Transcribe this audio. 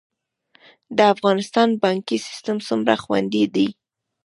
د افغانستان بانکي سیستم څومره خوندي دی؟